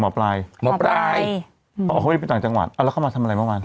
หมอปลายหมอปลายอ๋อเขาไปต่างจังหวัดอ่าแล้วเขามาทำอะไรเมื่อวาน